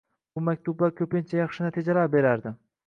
Bu maktublar ko'pincha yaxshi natijalar berardi.